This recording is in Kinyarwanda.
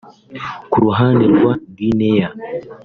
Ku ruhande rwa Guinea